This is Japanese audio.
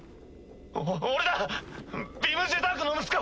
お俺だヴィム・ジェタークの息子